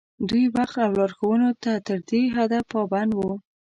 دوی وخت او لارښوونو ته تر دې حده پابند وو.